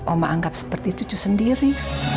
oma anggap seperti cucu sendiri